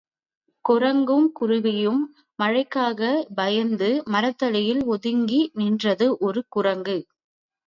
குரங்கும் குருவியும் மழைக்காகப் பயந்து மரத்தடியில் ஒதுங்கி நின்றது ஒரு குரங்கு.